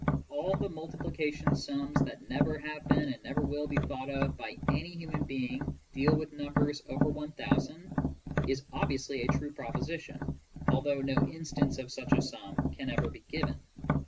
"All the multiplication sums that never have been and never will be thought of by any PSYCHOLOGY AND SCIENTIFIC METHODS 161 human being deal with numbers over 1,000" is obviously a true proposition, although no instance of such a sum can ever be given.